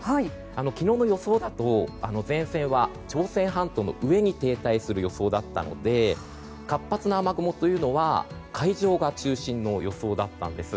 昨日の予想だと前線は朝鮮半島の上に停滞する予想だったので活発な雨雲というのは海上が中心の予想だったんです。